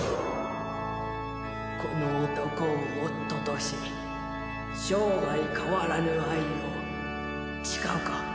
この男を夫とし生涯変わらぬ愛を誓うか？